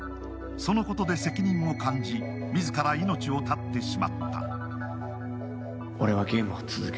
そのことで責任を感じ、自ら命を絶ってしまった。